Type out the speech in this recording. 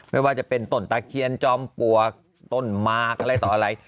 ไม่ว่าจะเป็นต้นตะเคียนจอมปลวกต้นมากอะไรต่ออะไร